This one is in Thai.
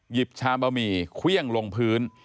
หยิบชามบะหมี่เควี้ยงลงพื้น